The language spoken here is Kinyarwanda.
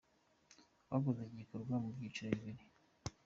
Twakoze iki gikorwa mu byiciro bibiri.